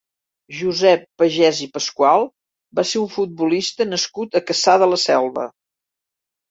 Josep Pagès i Pascual va ser un futbolista nascut a Cassà de la Selva.